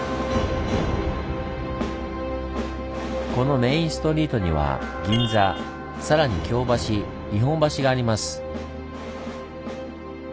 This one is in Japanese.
このメインストリートには銀座更に京橋日本橋があります。